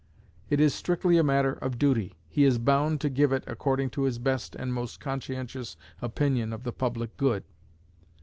It is strictly a matter of duty; he is bound to give it according to his best and most conscientious opinion of the public good.